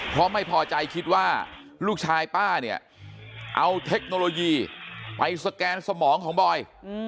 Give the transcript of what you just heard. เพราะไม่พอใจคิดว่าลูกชายป้าเนี่ยเอาเทคโนโลยีไปสแกนสมองของบอย